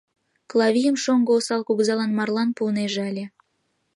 Клавийым шоҥго осал кугызалан марлан пуынеже ыле.